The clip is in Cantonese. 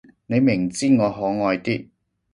你明知我可愛啲